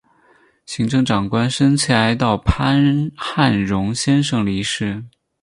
行政长官深切哀悼潘汉荣先生离世